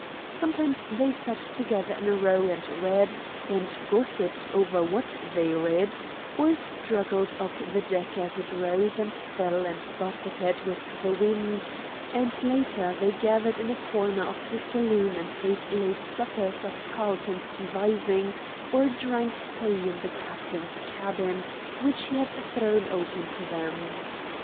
Sometimes they sat together in a row and read, and gossiped over what they read, or struggled up the deck as it rose and fell and buffeted with the wind; and later they gathered in a corner of the saloon and ate late suppers of Carlton's devising, or drank tea in the captain's cabin, which he had thrown open to them.